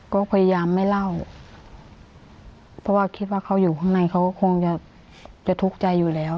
ก็พยายามไม่เล่าเพราะว่าคิดว่าเขาอยู่ข้างในเขาคงจะทุกข์ใจอยู่แล้ว